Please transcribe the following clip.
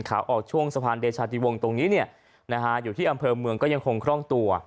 ขาออกช่วงสะพานเดชาติวงตรงนี้เนี่ยนะฮะอยู่ที่อำเภอเมืองก็ยังคงคล่องตัว